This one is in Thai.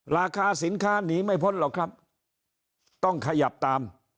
ราคาสินค้าหนีไม่พ้นหรอกครับต้องขยับตาม